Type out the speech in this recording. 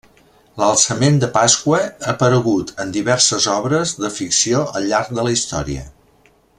L'alçament de Pasqua ha aparegut en diverses obres de ficció al llarg de la història.